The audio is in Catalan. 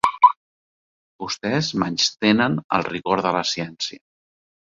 Vostès menystenen el rigor de la ciència.